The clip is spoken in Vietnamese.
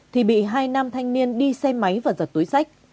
thì bị hai nam thanh niên đi xe máy và giật túi sách